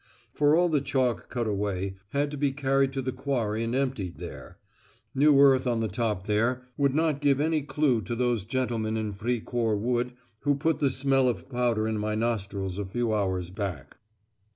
For all the chalk cut away had to be carried to the Quarry and emptied there; new earth on the top there would not give any clue to those gentlemen in Fricourt Wood who put the smell of powder in my nostrils a few hours back.